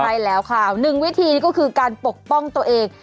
ใช่แล้วค่ะหนึ่งวิธีนี่ก็คือการปกป้องตัวเอง